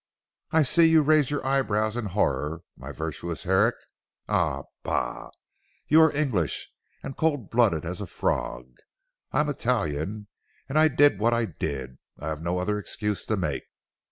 I see you raise your eyebrows in horror, my virtuous Herrick! Ah bah! you are English, and cold blooded as a frog. I am Italian, and I did what I did. I have no other excuse to make.